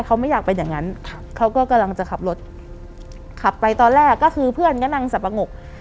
เขาไม่อยากเป็นอย่างนั้นครับเขาก็กำลังจะขับรถขับไปตอนแรกก็คือเพื่อนก็นั่งสับปะงก